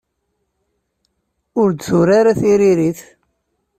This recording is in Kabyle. Ur d-turi ara tiririt.